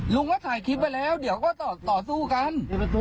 ลุงก็ถ่ายคลิปไว้แล้วเดี๋ยวก็ต่อสู้กัน